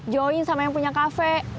join sama yang punya kafe